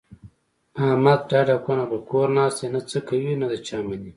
احمد ډډه کونه په کور ناست دی، نه څه کوي نه د چا مني.